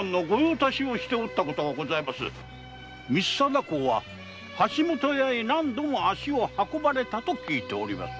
光貞公は橋本屋へ何度も足を運ばれたと聞いております。